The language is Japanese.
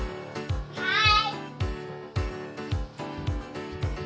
はい。